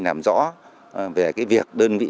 làm rõ về việc đơn vị